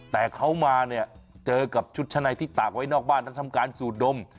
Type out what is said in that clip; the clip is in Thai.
แต่เขามาเนี่ยเจอกับชุดชะในที่ตากไว้นอกบ้านนั้นทำการสูดดม